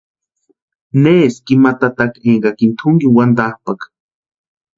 Neski ima tataka énkakini tʼunkini wantapʼakʼa.